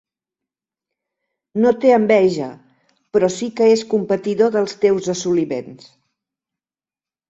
No té enveja, però sí que és competidor dels teus assoliments.